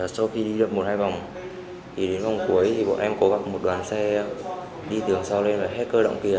sau khi đi được một hai vòng đến vòng cuối thì bọn em có gặp một đoàn xe đi tường sau lên và hết cơ động kìa